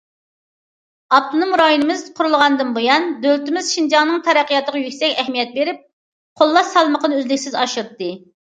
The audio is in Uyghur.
ئاپتونوم رايونىمىز قۇرۇلغاندىن بۇيان، دۆلىتىمىز شىنجاڭنىڭ تەرەققىياتىغا يۈكسەك ئەھمىيەت بېرىپ، قوللاش سالمىقىنى ئۈزلۈكسىز ئاشۇردى.